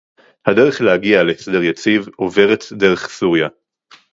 הדרך להגיע להסדר יציב עוברת דרך סוריה